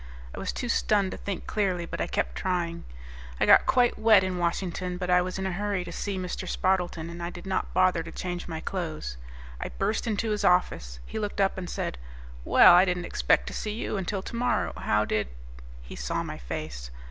I was too stunned to think clearly, but I kept trying. I got quite wet in Washington, but I was in a hurry to see Mr. Spardleton and I did not bother to change my clothes. I burst into his office. He looked up and said, "Well, I didn't expect to see you until tomorrow. How did...?" He saw my face.